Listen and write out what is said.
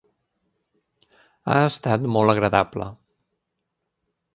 Ha estat molt agradable.